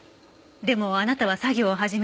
でもあなたは作業を始めて